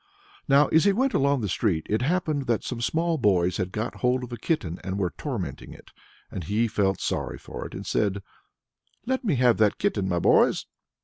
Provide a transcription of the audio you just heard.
Now as he went along the street, it happened that some small boys had got hold of a kitten and were tormenting it. And he felt sorry for it, and said: "Let me have that kitten, my boys?"